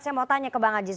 saya mau tanya ke bang ajis